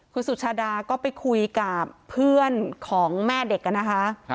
คุณสุชาดาก็ไปคุยกับเพื่อนของแม่เด็กนะคะ